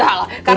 oh enggak lah